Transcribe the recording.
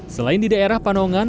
selain di daerah pandongan